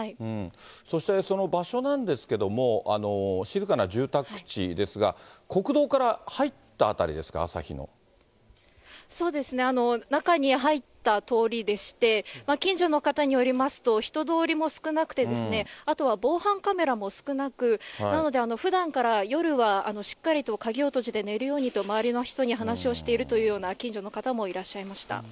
そして、その場所なんですけども、静かな住宅地ですが、そうですね、中に入った通りでして、近所の方によりますと、人通りも少なくて、あとは防犯カメラも少なく、なのでふだんから夜はしっかりと鍵を閉じて寝るようにと周りの人に話をしているというような、近所の方もいらっしゃいました。